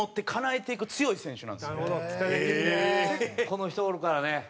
この人おるからね